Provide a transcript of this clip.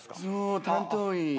そう担当医。